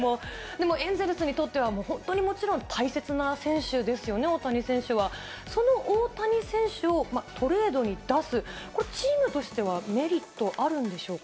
でもエンゼルスにとっては本当にもちろん大切な選手ですよね、大谷選手は。その大谷選手をトレードに出す、これ、チームとしてはメリットあるんでしょうか。